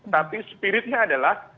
tapi spiritnya adalah